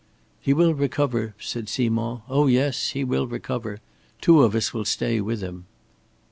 "He will recover," said Simond. "Oh yes, he will recover. Two of us will stay with him."